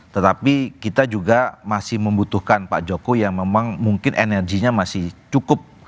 tetapi kita juga masih membutuhkan pak jokowi yang memang mungkin energinya masih cukup